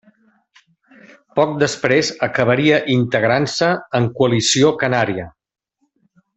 Poc després acabaria integrant-se en Coalició Canària.